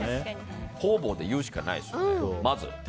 方々で言うしかないですね、まず。